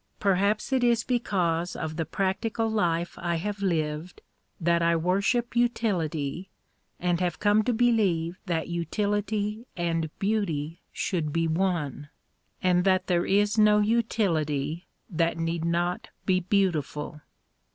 Perhaps it is because of the practical life I have lived that I worship utility and have come to believe that utility and beauty should be one, and that there is no utility that need not be beautiful.